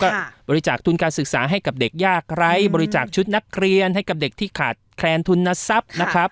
ก็บริจาคทุนการศึกษาให้กับเด็กยากไร้บริจาคชุดนักเรียนให้กับเด็กที่ขาดแคลนทุนทรัพย์นะครับ